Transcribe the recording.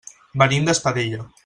Venim d'Espadella.